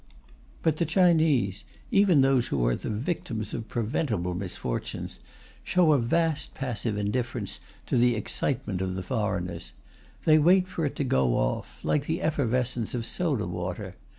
But the Chinese, even those who are the victims of preventable misfortunes, show a vast passive indifference to the excitement of the foreigners; they wait for it to go off, like the effervescence of soda water.